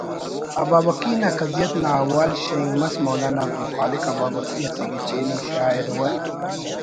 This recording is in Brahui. ابابکی نا کزیت نا حوال شینک مس مولانا عبدالخالق ابابکی اسہ گچین ءُ شاعر و